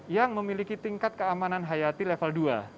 yang memiliki tingkat keamanan hayati level dua